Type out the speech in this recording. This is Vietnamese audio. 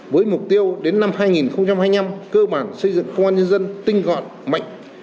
với mục tiêu đến năm hai nghìn hai mươi năm cơ bản xây dựng công an nhân dân tinh gọn mạnh